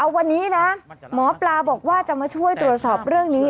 วันนี้นะหมอปลาบอกว่าจะมาช่วยตรวจสอบเรื่องนี้